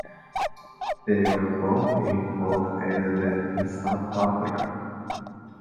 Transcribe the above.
They were born in Port Elizabeth in South Africa.